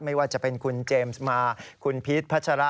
ไม่ว่าจะเป็นคุณเจมส์มาคุณพีชพัชระ